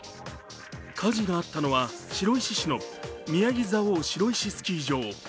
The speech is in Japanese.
火事があったのは白石市のみやぎ蔵王白石スキー場。